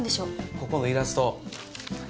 ここのイラスト